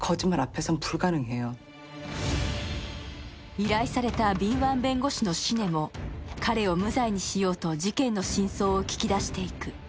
依頼された敏腕弁護士のシネも彼を無罪にしようと事件の真相を聞き出していく。